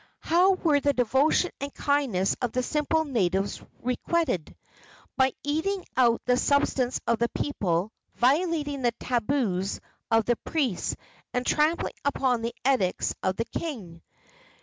How were the devotion and kindness of the simple natives requited? By eating out the substance of the people, violating the tabus of the priests and trampling upon the edicts of the king.